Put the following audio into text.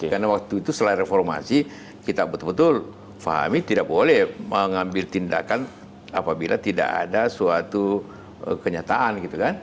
karena waktu itu setelah reformasi kita betul betul fahami tidak boleh mengambil tindakan apabila tidak ada suatu kenyataan